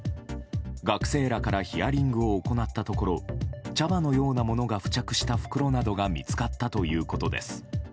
学生らからヒアリングを行ったところ茶葉のようなものが付着した袋などが見つかったということです。